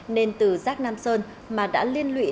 nên từ rác nam sơn mà đã liên lụy đề nghị